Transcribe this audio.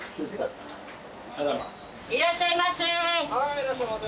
いらっしゃいませ！